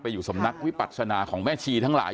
อยู่สำนักวิปัศนาของแม่ชีทั้งหลาย